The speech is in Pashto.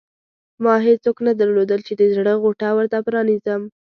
ما هېڅوک نه درلودل چې د زړه غوټه ورته پرانېزم.